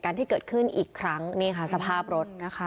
เขามากดฮอมเรียบร้อยเขามาถ่ายรูปอะไร